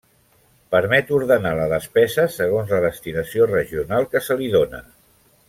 Permet ordenar la despesa segons la destinació regional que se li dóna.